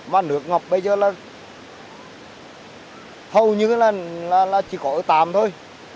và nước ngọc bây giờ là hầu như là chỉ có ở tàm thôi